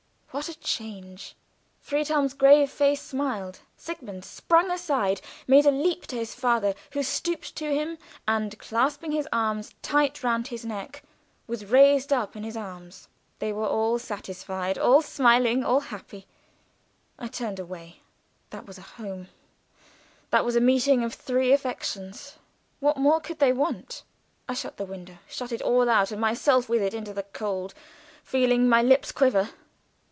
What a change! Friedhelm's grave face smiled: Sigmund sprung aside, made a leap to his father, who stooped to him, and clasping his arms tight round his neck was raised up in his arms. They were all satisfied all smiling all happy. I turned away. That was a home that was a meeting of three affections. What more could they want? I shut the window shut it all out, and myself with it into the cold, feeling my lips quiver.